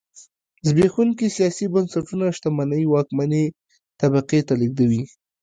زبېښونکي سیاسي بنسټونه شتمنۍ واکمنې طبقې ته لېږدوي.